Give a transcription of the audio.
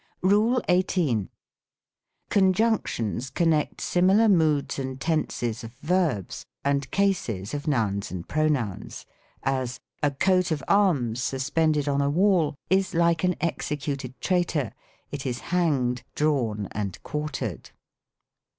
RULE XVIIL Conjunctions connect similar moods and tenses of verbs, and cases of nouns and pronouns : as, " A coat of arms suspended on a wall is like an executed traitor; it is hanged, drawn, and quartered."